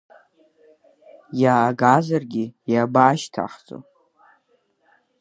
Иаагаӡаргьы, иабашьҭаҳҵо.